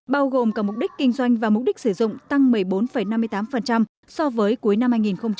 bao gồm cả mục đích kinh doanh và mục đích sử dụng tăng một mươi bốn năm mươi tám so với cuối năm hai nghìn một mươi tám